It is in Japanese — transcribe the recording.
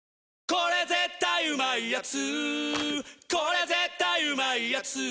これ絶対うまいやつ」